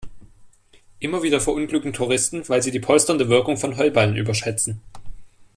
Immer wieder verunglücken Touristen, weil sie die polsternde Wirkung von Heuballen überschätzen.